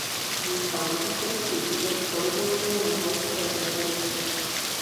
Získal magisterský titul z politologie na Haifské univerzitě.